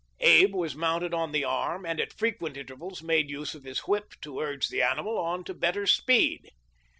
Abe was mounted on the arm, and at frequent intervals made use of his whip to urge the animal on to better speed.